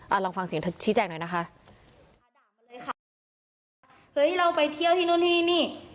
อ่าลองฟังเสียงเธอชี้แจกหน่อยนะคะค่ะเฮ้ยเราไปเที่ยวที่นู่นนี่นี่